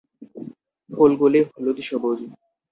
ফুলগুলি হলুদ-সবুজ।